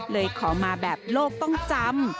เลยขอมาแบบโลกต้องจำ